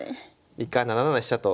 以下７七飛車と。